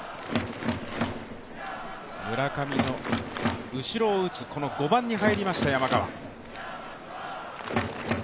村上の後ろを打つ５番に入りました山川。